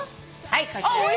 はいこちら。